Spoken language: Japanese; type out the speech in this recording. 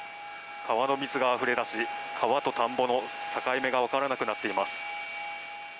川の水があふれ出し川と田んぼの境目がわからなくなっています。